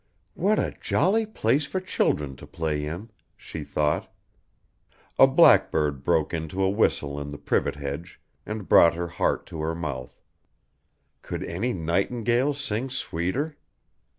"What a jolly place for children to play in," she thought. A blackbird broke into a whistle in the privet hedge and brought her heart to her mouth. Could any nightingale sing sweeter?